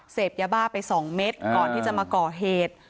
เสพยาบ้าไป๒เม็ดก่อนที่จะมาก่อเหตุ